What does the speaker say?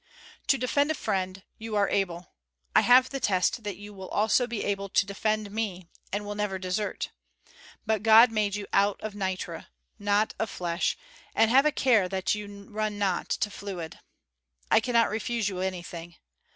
"To defend a friend you are able. I have the test that you will also be able to defend me and will never desert. But God made you of nitre, not of flesh, and have a care that you run not to fluid. I cannot refuse you anything.